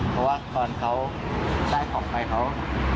เพราะว่าตอนเขาได้ของไปเขา